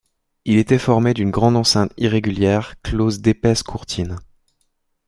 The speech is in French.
Il était formé d'une grande enceinte irrégulière close d'épaisses courtines.